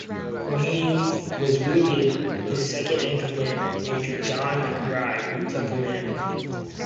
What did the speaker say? When he was wounded, his second-in-command, Major John MacBride, took command.